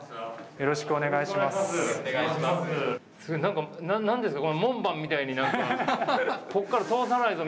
よろしくお願いします。